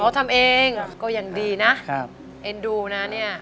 ทำเองก็ยังดีนะเอ็นดูนะเนี่ย